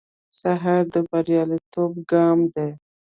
سهار د بریالیتوب ګام دی.